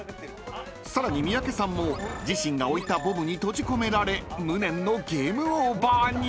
［さらに三宅さんも自身が置いたボムに閉じ込められ無念のゲームオーバーに］